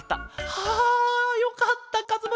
はあよかったかずむ